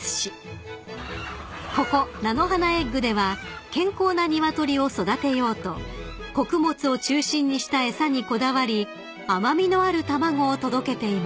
［ここ菜の花エッグでは健康な鶏を育てようと穀物を中心にした餌にこだわり甘味のある卵を届けています］